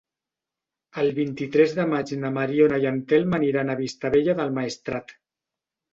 El vint-i-tres de maig na Mariona i en Telm aniran a Vistabella del Maestrat.